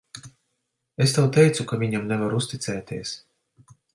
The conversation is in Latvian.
Es tev teicu, ka viņam nevar uzticēties.